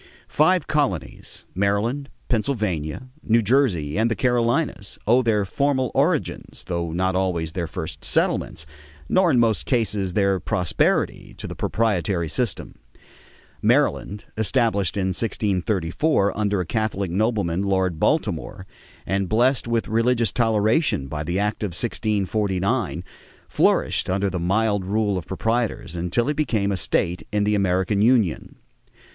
Five colonies, Maryland, Pennsylvania, New Jersey, and the Carolinas, owe their formal origins, though not always their first settlements, nor in most cases their prosperity, to the proprietary system. Maryland, established in 1634 under a Catholic nobleman, Lord Baltimore, and blessed with religious toleration by the act of 1649, flourished under the mild rule of proprietors until it became a state in the American union.